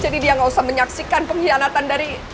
jadi dia nggak usah menyaksikan pengkhianatan dari